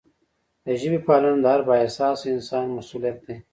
د ژبې پالنه د هر با احساسه انسان مسؤلیت دی.